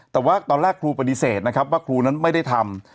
แต่ว่าตอนแรกครูปฏิเสธนะครับว่าครูนั้นไม่ได้ทำ